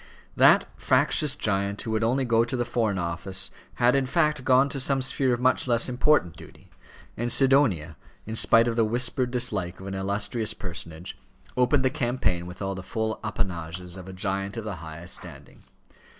That fractious giant who would only go to the Foreign Office had, in fact, gone to some sphere of much less important duty, and Sidonia, in spite of the whispered dislike of an illustrious personage, opened the campaign with all the full appanages of a giant of the highest standing.